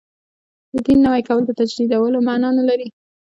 د دین نوی کول د تجدیدولو معنا نه لري.